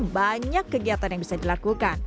banyak kegiatan yang bisa dilakukan